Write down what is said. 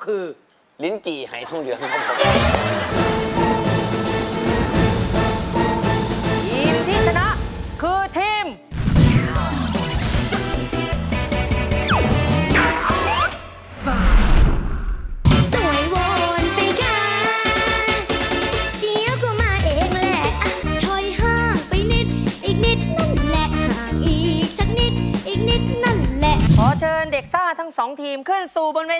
ขอเชิญเด็กซ่าทั้งสองที